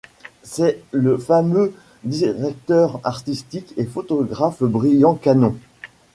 C'est le fameux directeur artistique et photographe Brian Cannon.